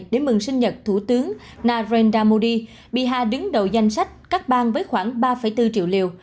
để mừng sinh nhật thủ tướng narendra modi biha đứng đầu danh sách các bang với khoảng ba bốn triệu liều